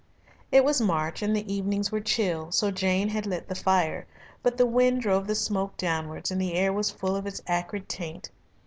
It was March and the evenings were chill, so Jane had lit the fire, but the wind drove the smoke downwards and the air was full of its acrid taint.